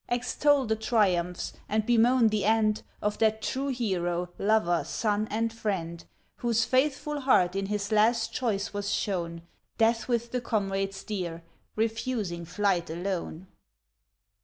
Extol the triumphs, and bemoan the end Of that true hero, lover, son and friend Whose faithful heart in his last choice was shown Death with the comrades dear, refusing flight alone.